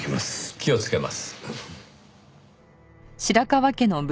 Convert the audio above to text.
気をつけます。